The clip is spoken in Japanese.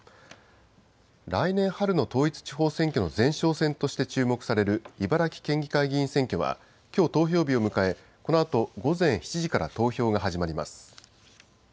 来年春の統一地方選挙の前哨戦として注目される茨城県議会議員選挙はきょう投票日を迎え、このあと、午前７時から投票が始まります。